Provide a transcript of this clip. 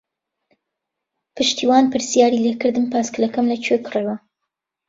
پشتیوان پرسیاری لێ کردم پایسکلەکەم لەکوێ کڕیوە.